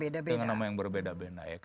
dengan nama yang berbeda beda